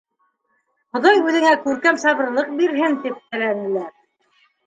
— Хоҙай үҙеңә күркәм сабырлыҡ бирһен, — тип теләнеләр.